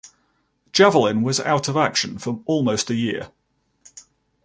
"Javelin" was out of action for almost a year.